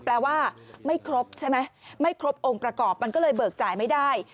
แปลว่าไม่ครบใช่ไหมไม่ครบองค์ประกอบมันก็เลยเบิกจ่ายไม่ได้